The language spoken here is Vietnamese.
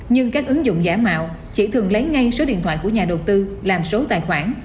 nhưng các ứng dụng giả mạo chỉ thường lấy ngay số điện thoại của nhà đầu tư làm số tài khoản